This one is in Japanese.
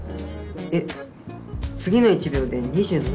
えっ次の１秒で２７ｍ？